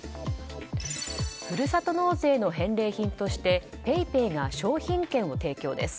ふるさと納税の返礼品としてＰａｙＰａｙが商品券を提供です。